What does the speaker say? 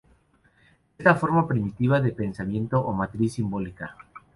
Es la forma primitiva de pensamiento o "matriz simbólica".